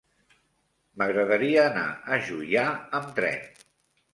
M'agradaria anar a Juià amb tren.